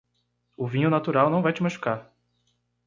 O vinho natural não vai te machucar.